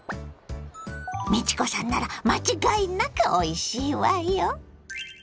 美智子さんなら間違いなくおいしいわよ！